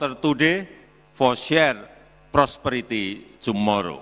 untuk membagi kembangan besarnya besarnya besarnya esok